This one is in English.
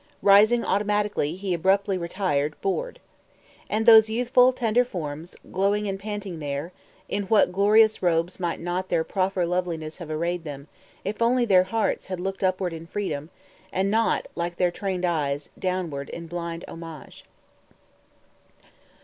Rising automatically, he abruptly retired, bored. And those youthful, tender forms, glowing and panting there, in what glorious robes might not their proper loveliness have arrayed them, if only their hearts had looked upward in freedom, and not, like their trained eyes, downward in blind homage.